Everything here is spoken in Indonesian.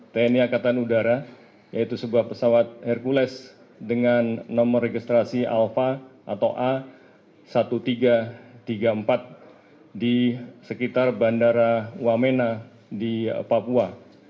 tni angkatan udara yaitu sebuah pesawat hercules dengan nomor registrasi alpha atau a seribu tiga ratus tiga puluh empat di sekitar bandara wamena di papua